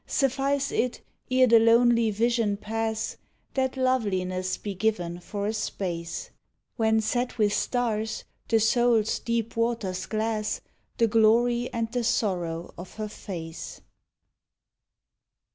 Suffice it, ere the lonely vision pass, That loveliness be given for a space, When, set with stars, the souPs deep waters glass The glory and the sorrow of her face.